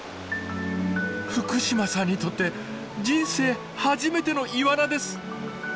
福島さんにとって人生初めてのイワナです。